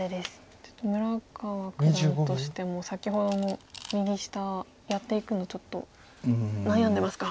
ちょっと村川九段としても先ほどの右下やっていくのちょっと悩んでますか。